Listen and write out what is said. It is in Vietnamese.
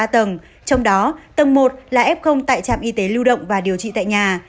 trong đó tầng một là f tại trạm y tế lưu động và điều trị tại nhà